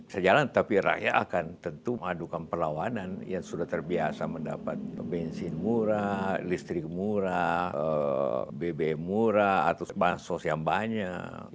sejalan tapi rakyat akan tentu mengadukan perlawanan yang sudah terbiasa mendapat bensin murah listrik murah bbm murah atau bahan sos yang banyak